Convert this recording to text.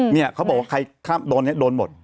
เนี่ยเขาบอกว่าใครข้ามโดนนี้โดนหมด